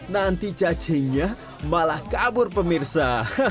nanti cacingnya malah kabur pemirsa